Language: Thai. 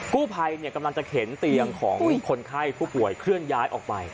กู้ภัยกำลังจะเข็นเตียงของคนไข้ผู้ป่วยเคลื่อนย้ายออกไป